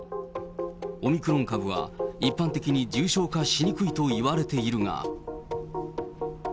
オミクロン株は一般的に重症化しにくいといわれているが。